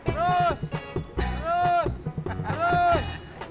terus terus terus